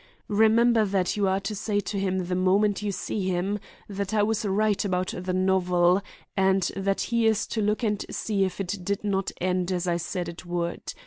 Remember that you are to say to him the moment you see him that I was right about the novel, and that he is to look and see if it did not end as I said it would.